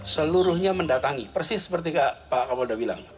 seluruhnya mendatangi persis seperti pak kapolda bilang